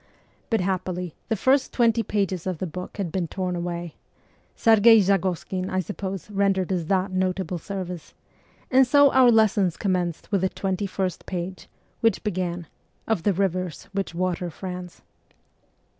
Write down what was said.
But happily the first twenty pages of the book had been torn away (Serge Zagoskin, I suppose, rendered us that notable service), and so our lessons commenced with the twenty first page, which began, ' of the rivers which water France.'